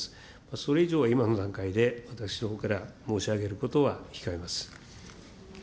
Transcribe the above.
それ以上は、今の段階で私のほうから申し上げることは控えます。